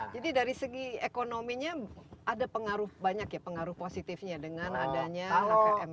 jadi dari segi ekonominya ada pengaruh banyak ya pengaruh positifnya dengan adanya kkm ini